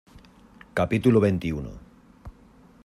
capítulo veintiuno.